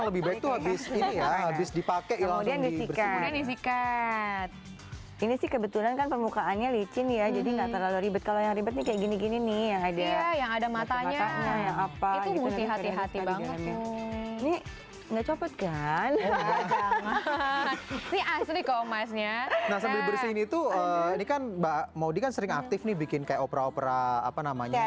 nah sambil bersih ini tuh ini kan maudie kan sering aktif nih bikin kayak opera opera apa namanya